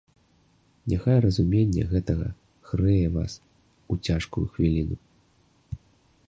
Няхай разуменне гэтага грэе вас у цяжкую хвіліну.